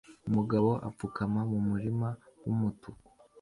Umugabo apfukama mumurima wumutuku